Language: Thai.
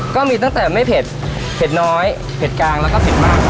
ก็มีตั้งแต่ไม่เผ็ดเผ็ดน้อยเผ็ดกลางแล้วก็เผ็ดมาก